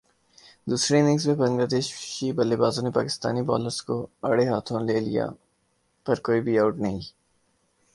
دوسری اننگز میں بنگلہ دیشی بلے بازوں نے پاکستانی بالروں کو اڑھے ہاتھوں لے لیا پر کوئی بھی اوٹ نہیں